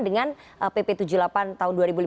dengan pp tujuh puluh delapan tahun dua ribu lima belas